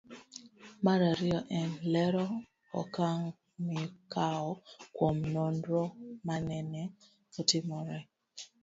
Mar ariyo en lero okang' mikawo kuom nonro manene otimore